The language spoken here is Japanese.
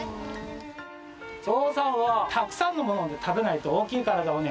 ゾウさんはたくさんのものを食べないと大きい体をね